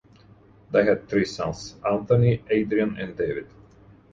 They had three sons: Anthony, Adrian and David.